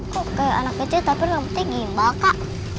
kok kaya anak kecil tapi nanti gimana kak